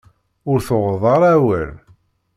Ur tuɣeḍ ara awal.